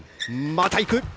また行く！